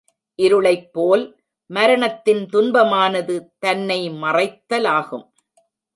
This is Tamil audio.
இருளைப் போல் மரணத்தின் துன்பமானது தன்னை மறைத்தலாகும்.